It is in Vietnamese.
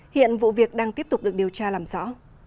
hiện vụ việc đang tiếp tục được điều tra làm rõ